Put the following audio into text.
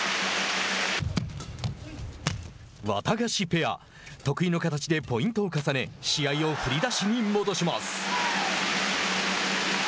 ワタガシペア得意の形でポイントを重ね試合を振り出しに戻します。